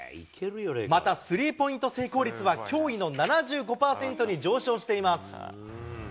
また、スリーポイント成功率は驚異の７５％に上昇しています。